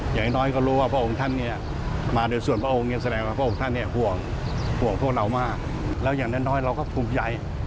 ห่วงพวกเรามากแล้วอย่างน้อยเราก็ภูมิใหญ่